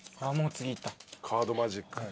カードマジック。